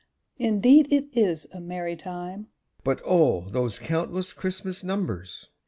_) Indeed it is a merry time; (_But O! those countless Christmas numbers!